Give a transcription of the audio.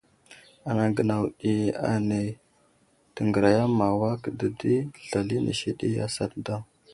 Anaŋ gənaw ɗi ane təŋgəriya ma awak dedi slal inisi ɗi asat daw.